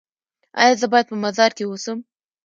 ایا زه باید په مزار کې اوسم؟